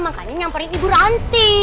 makanya nyamperin ibu ranti